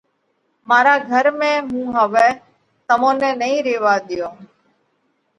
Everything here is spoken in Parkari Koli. مارا گھر ۾ هُون هوَئہ تمون نئہ نئين ريوا ۮيو۔